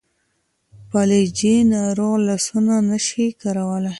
فلجي ناروغ لاسونه نشي کارولی.